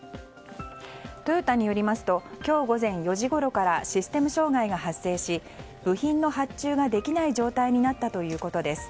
トヨタによりますと今日午前４時ごろからシステム障害が発生し部品の発注ができない状態になったということです。